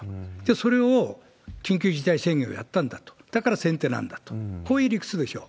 それを緊急事態宣言をやったんだと、だから先手なんだと、こういう理屈でしょう。